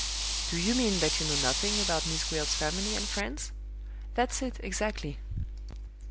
"Do you mean that you know nothing about Miss Gwilt's family and friends?" "That's it, exactly."